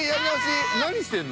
何してんの？